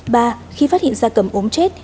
ba khi phát hiện da cầm ốm chết